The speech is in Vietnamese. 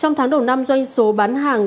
trong tháng đầu năm doanh số bán hàng